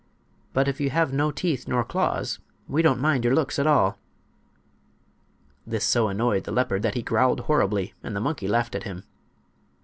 But if you have no teeth nor claws we don't mind your looks at all." This so annoyed the leopard that he growled horribly, and the monkey laughed at him.